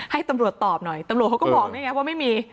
ให้ตำรวจตอบหน่อยตำรวจเขาก็บอกนี่ไงว่าไม่มี